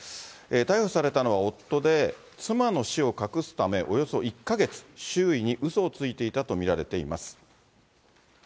逮捕されたのは夫で、妻の死を隠すため、およそ１か月、周囲にうそをついていたと見られています。